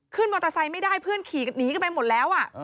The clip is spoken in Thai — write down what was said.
มอเตอร์ไซค์ไม่ได้เพื่อนขี่หนีกันไปหมดแล้ว